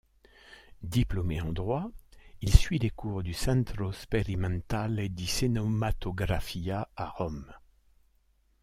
Diplômé en droit, il suit les cours du Centro sperimentale di cinematografia à Rome.